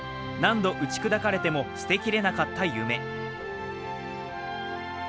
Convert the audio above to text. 何度打ち砕かれても捨て切れなかった夢。